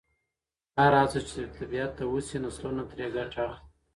هره هڅه چې طبیعت ته وشي، نسلونه ترې ګټه اخلي.